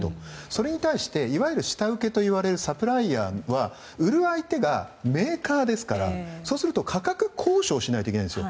それに対していわゆる下請けといわれるサプライヤーは売る相手がメーカーですからそうすると価格交渉しないといけないんです。